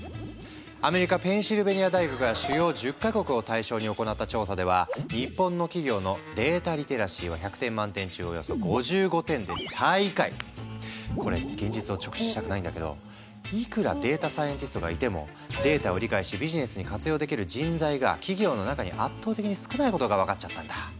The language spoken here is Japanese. アメリカペンシルベニア大学が主要１０か国を対象に行った調査では日本の企業のデータリテラシーは１００点満点中およそ５５点でこれ現実を直視したくないんだけどいくらデータサイエンティストがいてもデータを理解しビジネスに活用できる人材が企業の中に圧倒的に少ないことが分かっちゃったんだ。